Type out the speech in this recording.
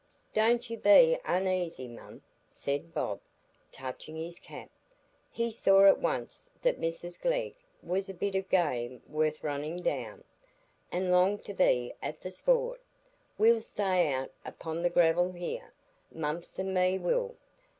"Don't you be uneasy, mum," said Bob, touching his cap. He saw at once that Mrs Glegg was a bit of game worth running down, and longed to be at the sport; "we'll stay out upo' the gravel here,—Mumps and me will.